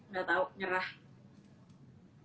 nggak tahu nyerah